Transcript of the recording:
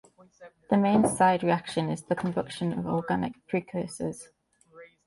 The main side reaction is the combustion of organic precursors.